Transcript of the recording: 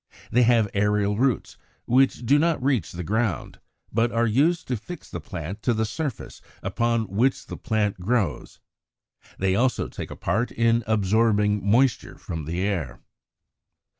They have aerial roots, which do not reach the ground, but are used to fix the plant to the surface upon which the plant grows: they also take a part in absorbing moisture from the air.